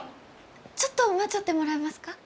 ちょっと待ちよってもらえますか？